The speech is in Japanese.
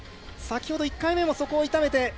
先ほど１回目もそこを痛めて。